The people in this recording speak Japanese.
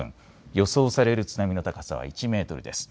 予想される津波の高さは１メートルです。